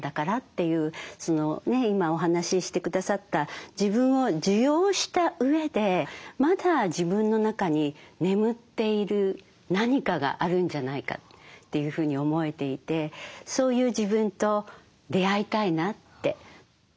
そのね今お話しして下さった自分を受容したうえでまだ自分の中に眠っている何かがあるんじゃないかというふうに思えていてそういう自分と出会いたいなって。